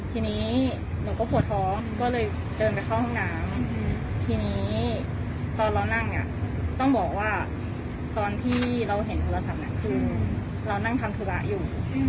ทีนี้หนูก็ปวดท้องก็เลยเดินไปเข้าห้องน้ำทีนี้ตอนเรานั่งเนี่ยต้องบอกว่าตอนที่เราเห็นโทรศัพท์คือเรานั่งทำธุระอยู่